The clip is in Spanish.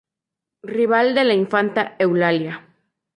Rival de la infanta Eulalia".